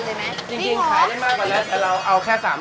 จริงขายได้มากกว่านี้แต่เราเอาแค่๓๐๐จานพอ